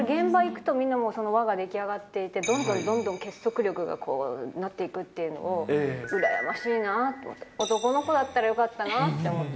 やっぱり、現場行くと、みんなもう、輪が出来上がっていて、どんどんどんどん結束力がこう、なっていくっていうのを、羨ましいなって思って、男の子だったら、よかったなぁって思った。